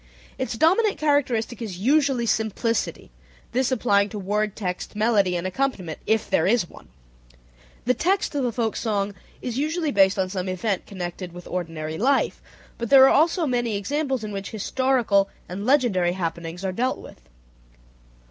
Its dominant characteristic is usually simplicity, this applying to word text, melody, and accompaniment (if there is one). The text of the folk song is usually based on some event connected with ordinary life, but there are also many examples in which historical and legendary happenings are dealt with.